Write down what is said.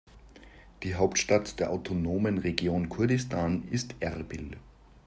Die Hauptstadt der autonomen Region Kurdistan ist Erbil.